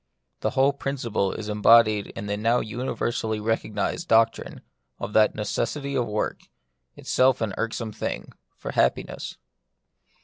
And the whole principle is embodied in the now universally recognised doctrine of the necessity of work — itself an irksome thing — for happiness.